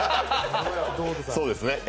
そうですね、ええ。